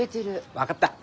分かった。